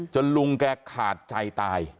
ลุงแกขาดใจตาย